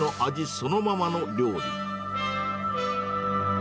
そのままの料理。